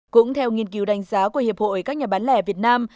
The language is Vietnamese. cũng theo nghiên cứu đánh giá của hiệp hội các nhà bán lẻ việt nam